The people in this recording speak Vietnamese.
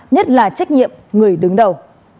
nhất là trách nhiệm người đứng đầu